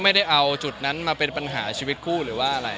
ไม่ได้เอาจุดนั้นมาเป็นปัญหาชีวิตคู่หรือว่าอะไร